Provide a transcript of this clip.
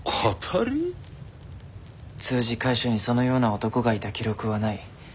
通詞会所にそのような男がいた記録はない。